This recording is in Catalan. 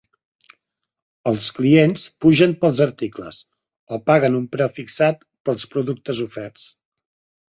Els clients pugen pels articles o paguen un preu fixat pels productes oferts.